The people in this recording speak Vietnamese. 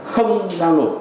không giao nổ